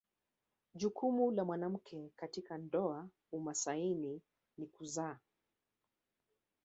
Jukumu la mwanamke katika ndoa umasaini ni kuzaa